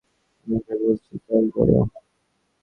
আমি যা বলছি তাই করো।